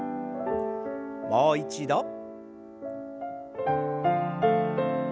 もう一度。